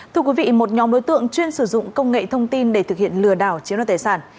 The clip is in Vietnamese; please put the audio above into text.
thưa quý vị một nhóm đối tượng chuyên sử dụng công nghệ thông tin để thực hiện lừa đảo chiếm đoạt tài sản